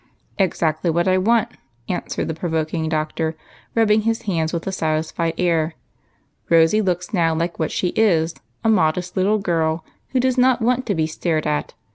"Exactly what I want," answered the provoking Doctor, rubbing his hands with a satisfied air. " Rosy looks now like what she is, a modest little girl, who does not want to be stared at.